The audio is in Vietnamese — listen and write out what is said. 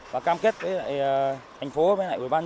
và cam kết với thành phố và ubnd